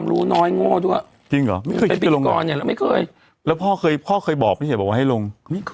คือคิดแต่ลงประถามอย่างยิ่ง